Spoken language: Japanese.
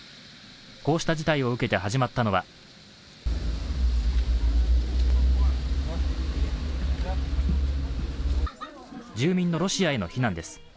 こうした事態を受けて始まったのは住民のロシアへの避難です。